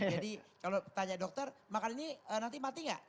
jadi kalau tanya dokter makan ini nanti mati gak